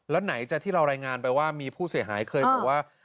แล้วไหนจะที่เรารายงานไปว่ามีผู้เสียหายเคยบอกว่า